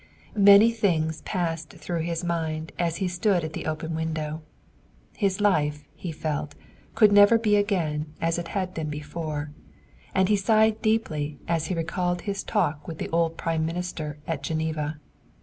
Many things passed through his mind as he stood at the open window. His life, he felt, could never be again as it had been before, and he sighed deeply as he recalled his talk with the old prime minister at Geneva.